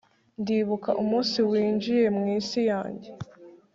ndibuka umunsi winjiye mwisi yanjye